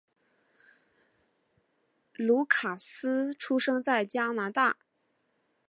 卢卡斯出生在加拿大。